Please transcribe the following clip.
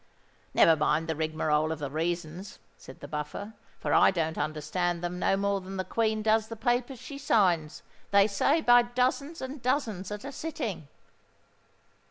"Never mind the rigmarole of the reasons," said the Buffer; "for I don't understand them no more than the Queen does the papers she signs, they say, by dozens and dozens at a sitting."